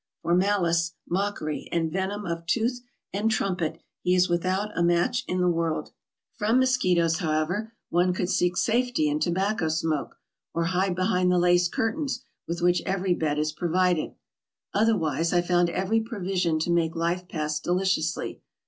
For malice, mockery, and venom of tooth and trumpet he is without a match in the world. From mosquitoes, however, one could seek safety in tobacco smoke, or hide behind the lace curtains with which every bed is provided. Otherwise I found every provision to make life pass deliciously.